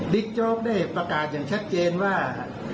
โจ๊กได้ประกาศอย่างชัดเจนว่า